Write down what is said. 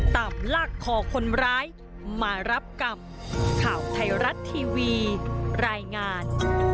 ตามลากคอคนร้ายมารับกรรม